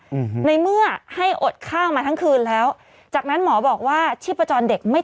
อืมในเมื่อให้อดข้าวมาทั้งคืนแล้วจากนั้นหมอบอกว่าชีพจรเด็กไม่